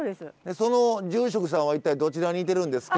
その住職さんは一体どちらにいてるんですか？